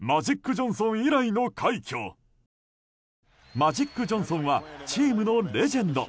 マジック・ジョンソンはチームのレジェンド。